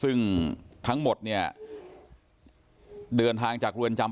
ซึ่งทั้งหมดเนี่ยเดินทางจากเรือนจำ